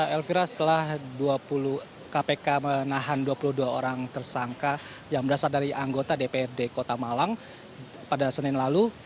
elvira setelah kpk menahan dua puluh dua orang tersangka yang berasal dari anggota dprd kota malang pada senin lalu